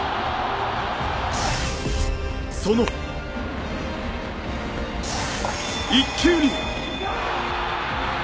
その１球に。